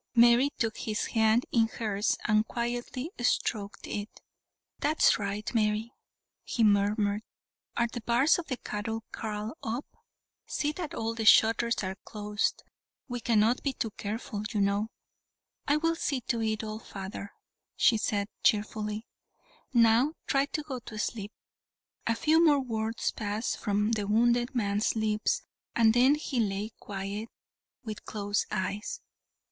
Mary took his hand in hers and quietly stroked it. "That's right, Mary," he murmured; "are the bars of the cattle kraal up? See that all the shutters are closed, we cannot be too careful, you know." "I will see to it all, father," she said, cheerfully; "now try to go to sleep." A few more words passed from the wounded man's lips, and then he lay quiet with closed eyes.